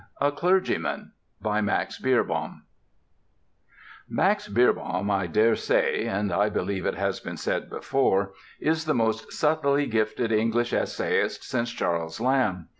"A CLERGYMAN" By MAX BEERBOHM Max Beerbohm, I dare say (and I believe it has been said before), is the most subtly gifted English essayist since Charles Lamb.